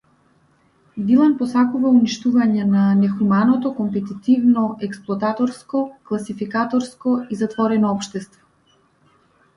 Дилан посакува уништување на нехуманото, компетитивно, експлоататорско, класификаторско и затворено општество.